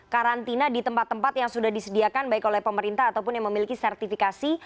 karantina di tempat tempat yang sudah disediakan baik oleh pemerintah ataupun yang memiliki sertifikasi